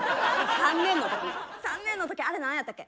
３年の時３年の時あれ何やったっけ？